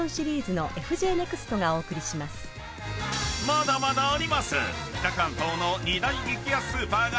［まだまだあります！］